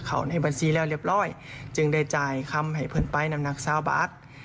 เขาในบัญชีแล้วเรียบร้อยจึงได้จ่ายคำให้เพื่อนไปน้ำหนักสาวบาท